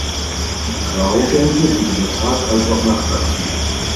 Graugänse sind sowohl tag- als auch nachtaktiv.